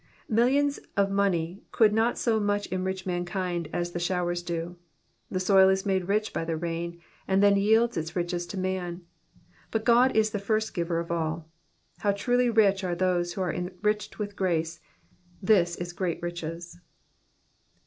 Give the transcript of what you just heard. Millions of money could not so much enrich mankind as the showers do. The soil is made rich by the rain, and then yields its riches to man ; but God is the first giver of all. How truly rich are those who are enriched with grace ; this is great riches.